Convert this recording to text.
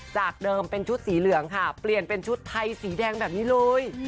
จากเดิมเป็นชุดสีเหลืองค่ะเปลี่ยนเป็นชุดไทยสีแดงแบบนี้เลย